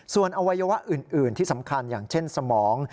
ส่วนอวัยวะอื่นที่สำคัญอย่างเช่นสมอง